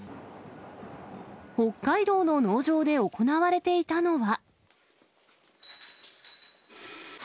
北海道の農場で行われていたのは。